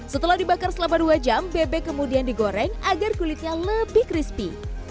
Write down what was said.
setelah dibakar selama dua jam bebek kemudian digoreng agar kulitnya lebih crispy